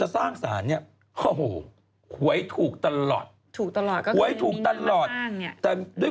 หวัยถูกตอนนั้นเนี่ย